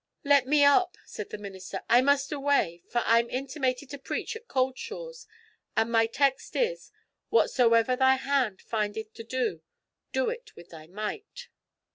'Let me up,' said the minister, 'I must away, for I'm intimated to preach at Cauldshaws, and my text is, "Whatsoever thy hand findeth to do, do it with thy might."'